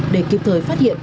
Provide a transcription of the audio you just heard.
để kịp thời phát hiện